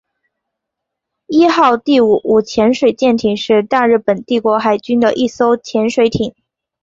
伊号第五五潜水舰是大日本帝国海军的一艘潜水艇。